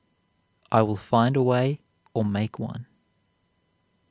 "I will find a way or make one."